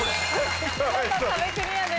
見事壁クリアです。